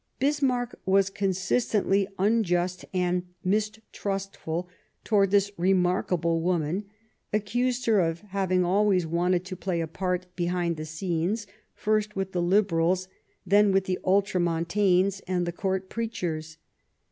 Bismarck was consistently unjust and mistrust ful towards this remarkable woman, accused her of having always wanted to play a part behind the scenes, first with the Liberals, then with the Ultra montanes and the Court Preachers.